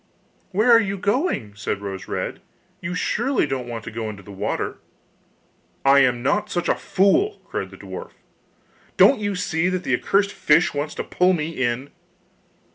'Where are you going?' said Rose red; 'you surely don't want to go into the water?' 'I am not such a fool!' cried the dwarf; 'don't you see that the accursed fish wants to pull me in?